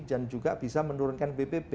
dan juga bisa menurunkan bbb